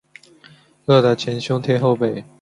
饿得前胸贴后背